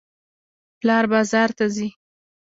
پلار بازار ته ځي.